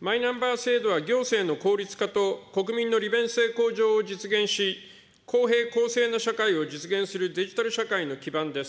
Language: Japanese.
マイナンバー制度は行政の効率化と、国民の利便性向上を実現し、公平公正な社会を実現するデジタル社会の基盤です。